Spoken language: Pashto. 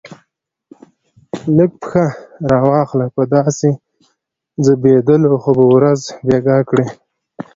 لږ پښه را واخله، په داسې ځبېدلو خو به ورځ بېګا کړې.